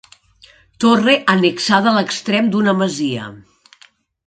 Torre annexada a l'extrem d'una masia.